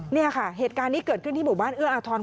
นี่ค่ะเหตุการณ์นี้เกิดขึ้นที่หมู่บ้านเอื้ออาทร